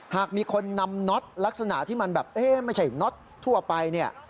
หากมีคนนำน็อตลักษณะที่มันแบบเอ๊ะไม่ใช่น็อตทั่วไปเนี่ย